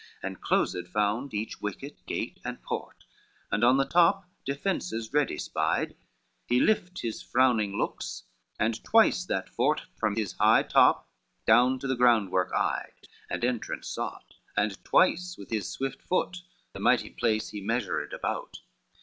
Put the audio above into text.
And closed found each wicket, gate and port, And on the top defences ready spied, He left his frowning looks, and twice that fort From his high top down to the groundwork eyed, And entrance sought, and twice with his swift foot The mighty place he measured about.